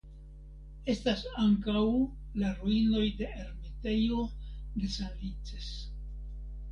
Estas ankaŭ la ruinoj de la ermitejo de Sanlices.